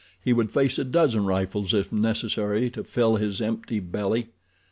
He would face a dozen rifles, if necessary, to fill his empty belly.